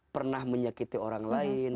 pernah menyakiti orang lain